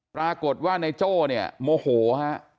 ปรากฏว่านายโจ้เนี่ยโมโหฮะ